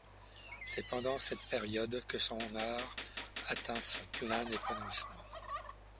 C'est pendant cette période que son art atteint son plein épanouissement.